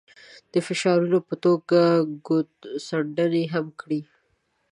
د فشارونو په توګه ګوتڅنډنې هم کړي.